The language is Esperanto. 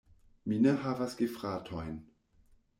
Mi ne havas gefratojn.